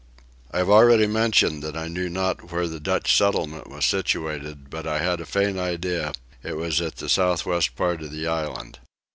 I have already mentioned that I knew not where the Dutch settlement was situated but I had a faint idea that it was at the south west part of the island.